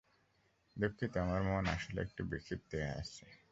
দুঃখিত, আমার মন আসলে একটু বিক্ষিপ্ত হয়ে আছে।